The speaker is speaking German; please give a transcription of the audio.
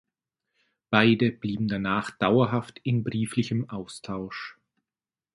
Beide blieben danach dauerhaft in brieflichem Austausch.